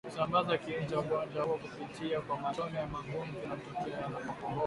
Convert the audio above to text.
husambaza kiini cha ugonjwa huo kupitia kwa matone ya pumzi yanayomtoka anapokohoa